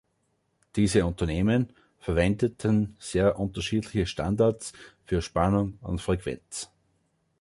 Diese Unternehmen verwendeten sehr unterschiedliche Standards für Spannung und Frequenz.